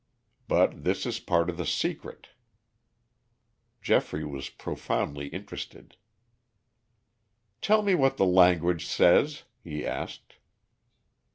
But this is part of the secret." Geoffrey was profoundly interested. "Tell me what the language says?" he asked.